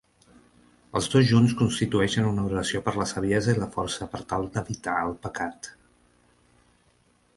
Els dos junts constitueixen una oració per la saviesa i la força per tal d"evitar el pecat.